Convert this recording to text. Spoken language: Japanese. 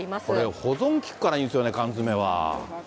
保存効くからいいですよね、缶詰は。